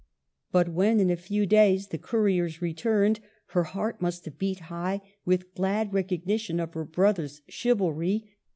But when in a few days the couriers returned, her heart must have beat high with glad recog nition of her brother's chivalry.